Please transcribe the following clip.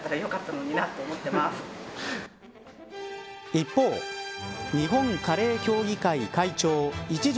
一方、日本カレー協議会会長一条